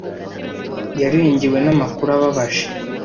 Yarengewe namakuru ababaje.